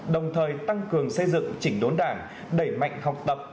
đồng thời tăng cường xây dựng chỉnh đốn đảng đẩy mạnh học tập